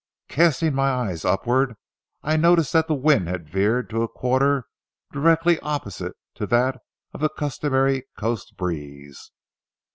Casting my eyes upward, I noticed that the wind had veered to a quarter directly opposite to that of the customary coast breeze.